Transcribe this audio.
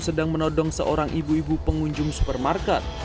sedang menodong seorang ibu ibu pengunjung supermarket